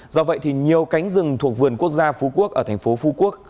do vậy thì nhiều cánh rừng thuộc vườn quốc gia phú quốc ở thành phố phú quốc